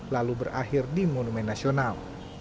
lalu berakhir di monumen nasional